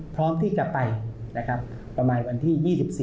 พร้อมที่จะไปนะครับประมาณวันที่๒๔